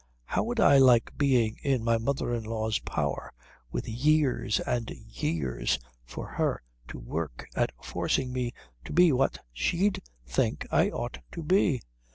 How would I like being in my mother in law's power, with years and years for her to work at forcing me to be what she'd think I ought to be?